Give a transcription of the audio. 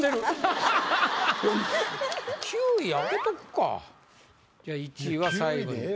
９位開けとくかじゃあ１位は最後に。